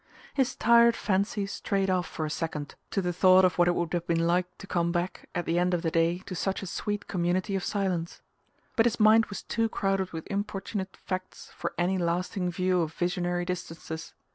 His tired fancy strayed off for a second to the thought of what it would have been like come back, at the end of the day, to such a sweet community of silence; but his mind was too crowded with importunate facts for any lasting view of visionary distances.